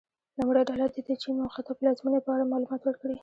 لومړۍ ډله دې د چین موقعیت او پلازمېنې په اړه معلومات ورکړي.